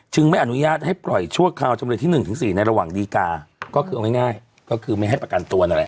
ไม่อนุญาตให้ปล่อยชั่วคราวจำเลยที่๑๔ในระหว่างดีกาก็คือเอาง่ายก็คือไม่ให้ประกันตัวนั่นแหละ